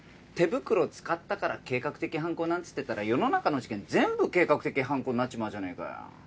手袋使ったから計画的犯行なんつってたら世の中の事件全部計画的犯行になっちまうじゃねえかよ。